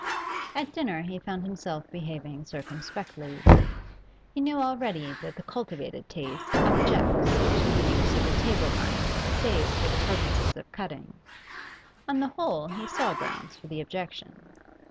At dinner he found himself behaving circumspectly. He knew already that the cultivated taste objects to the use of a table knife save for purposes of cutting; on the whole he saw grounds for the objection.